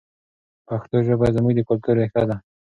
پښتو ژبه زموږ د کلتور ریښه ده.